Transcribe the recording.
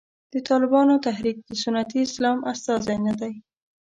د طالبانو تحریک د سنتي اسلام استازی نه دی.